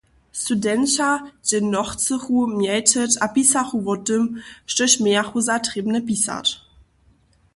Studenća dźě nochcychu mjelčeć a pisachu wo tym, štož mějachu za trěbne pisać.